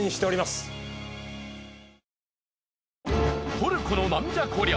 トルコのナンじゃこりゃ！？